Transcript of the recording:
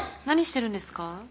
何してるんですか？